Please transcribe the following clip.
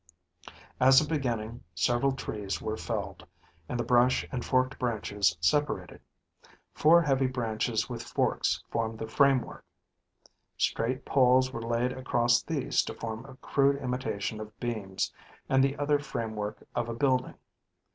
As a beginning, several trees were felled, and the brush and forked branches separated. Four heavy branches with forks formed the framework. Straight poles were laid across these to form a crude imitation of beams and the other framework of a building.